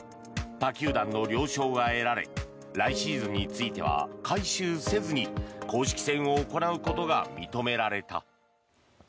他球団の了承が得られ来シーズンについては改修せずに公式戦を行うことが認められた。